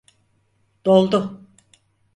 Doldu.